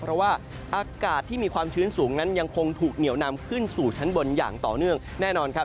เพราะว่าอากาศที่มีความชื้นสูงนั้นยังคงถูกเหนียวนำขึ้นสู่ชั้นบนอย่างต่อเนื่องแน่นอนครับ